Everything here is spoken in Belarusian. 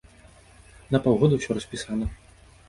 На паўгода ўсё распісана.